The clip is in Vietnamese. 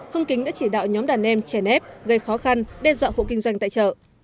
hưng kính đã chỉ đạo nhóm đàn em chèn ép gây khó khăn đe dọa hộ kinh doanh tại chợ